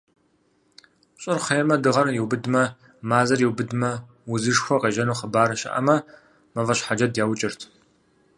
Щӏыр хъеймэ, дыгъэр иубыдмэ, мазэр иубыдмэ, узышхуэ къежьэну хъыбар щыӏэмэ, мафӏэщхьэджэд яукӏырт.